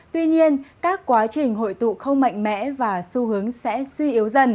tuy nhiên các quá trình hội tụ không mạnh mẽ và xu hướng sẽ suy yếu dần